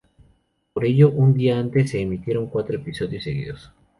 Por ello, un día antes se emitieron cuatro episodios seguidos.